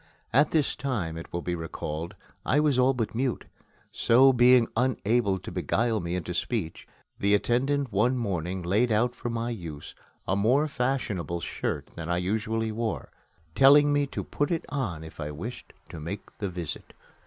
At this time, it will be recalled, I was all but mute, so, being unable to beguile me into speech, the attendant one morning laid out for my use a more fashionable shirt than I usually wore, telling me to put it on if I wished to make the visit.